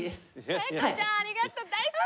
聖子ちゃんありがとう。大好き！